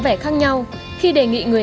bố mẹ con đi bán hàng rồi